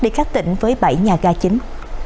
đi khắp tỉnh với bảy nhà ga chính